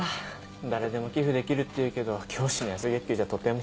誰でも寄付できるっていうけど教師の安月給じゃとても。